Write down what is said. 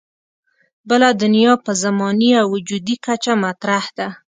بله دنیا په زماني او وجودي کچه مطرح ده.